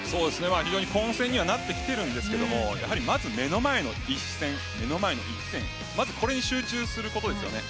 非常に混戦にはなってきているんですがまず目の前の一戦、目の前の１点これに集中することですよね。